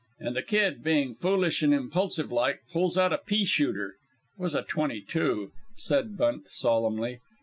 And the kid, being foolish and impulsive like, pulls out a peashooter. It was a twenty two," said Bunt, solemnly.